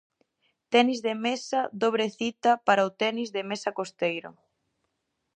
Tenis de mesa dobre cita para o tenis de mesa costeiro.